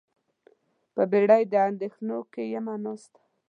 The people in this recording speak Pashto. په بیړۍ د اندیښنو کې یمه ناسته